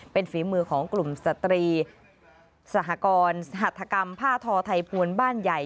เป็นฝีมือของกลุ่มสตรีสหกรณ์สหัตถกรรมผ้าทอไทยพวนบ้านใหญ่